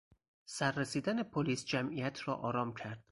سر رسیدن پلیس جمعیت را آرام کرد.